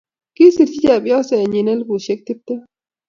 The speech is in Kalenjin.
Kisirchi chepyoset yen elubushek tuptem